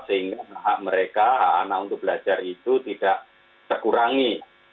sehingga hak mereka hak anak untuk belajar itu tidak terkurangi